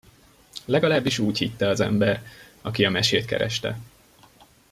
Legalábbis úgy hitte az ember, aki a mesét kereste.